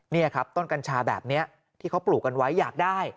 นี่ครับต้นกัญชาแบบนี้ที่เขาปลูกกันไว้อยากได้